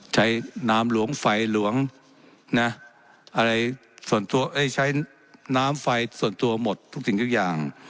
ใช้น้ำหลวงไฟหลวงนะอะไรส่วนตัวเอ้ยใช้น้ำไฟส่วนตัวหมดทุกสิ่งทุกอย่าง